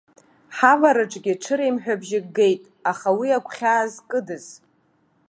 Ҳавараҿгьы ҽыреимҳәабжьык геит, аха уи агәхьаа зкыдаз.